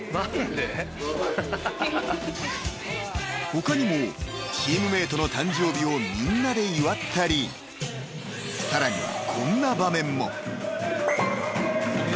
［他にもチームメートの誕生日をみんなで祝ったりさらには］